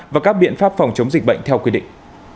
và các biện pháp phòng chống dịch bệnh theo quy định